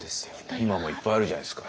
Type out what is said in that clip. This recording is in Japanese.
今もいっぱいあるじゃないですか。